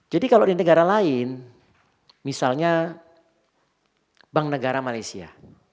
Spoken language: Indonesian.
jadi kalau di negara lain misalnya bank negara malaysia